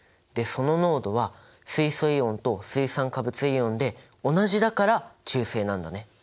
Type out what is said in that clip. でその濃度は水素イオンと水酸化物イオンで同じだから中性なんだね。